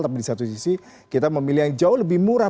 tapi di satu sisi kita memilih yang jauh lebih murah